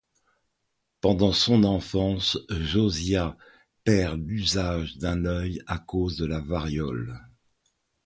Pendant son enfance, Josiah perd l'usage d'un œil à cause de la variole.